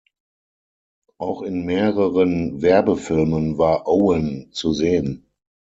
Auch in mehreren Werbefilmen war Owen zu sehen.